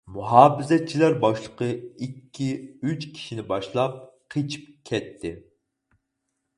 مۇھاپىزەتچىلەر باشلىقى ئىككى-ئۈچ كىشىنى باشلاپ قېچىپ كەتتى.